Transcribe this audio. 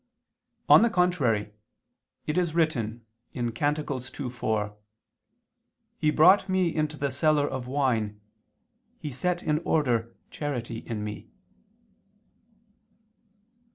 On the contrary, It is written (Cant 2:4): "He brought me into the cellar of wine, he set in order charity in me."